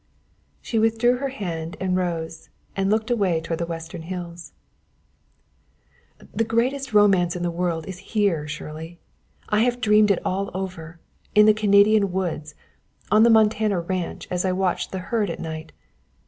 She withdrew her hand and rose and looked away toward the western hills. "The greatest romance in the world is here, Shirley. I have dreamed it all over, in the Canadian woods, on the Montana ranch as I watched the herd at night.